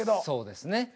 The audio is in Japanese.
そうですね。